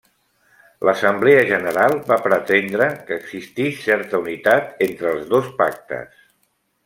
L'Assemblea General va pretendre que existís certa unitat entre els dos Pactes.